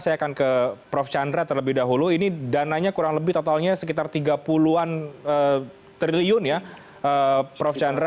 saya akan ke prof chandra terlebih dahulu ini dananya kurang lebih totalnya sekitar tiga puluh an triliun ya prof chandra